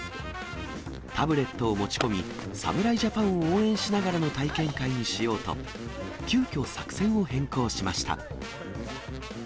タブレットを持ち込み、侍ジャパンを応援しながらの体験会にしようと、急きょ、作戦を変更しました。